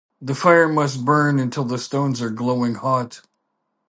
The fire must burn until the stones are glowing hot.